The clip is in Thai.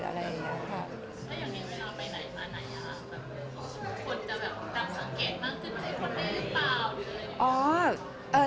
เรื่องไปไหนมาไหนคนจะดับสังเกตมากขึ้นมาได้หรือเปล่า